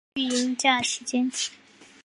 育婴假期间